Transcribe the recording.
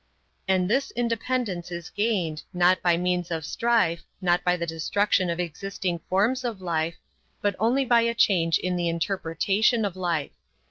And this independence is gained, not by means of strife, not by the destruction of existing forms of life, but only by a change in the interpretation of life.